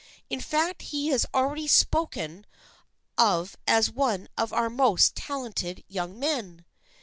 In fact he is already spoken of as one of our most talented young men."